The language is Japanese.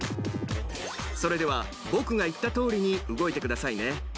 それでは僕が言ったとおりに動いてくださいね。